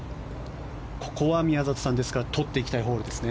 ここは宮里さんとっていきたいホールですね。